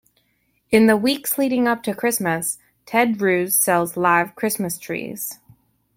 In the weeks leading up to Christmas, Ted Drewes sells live Christmas trees.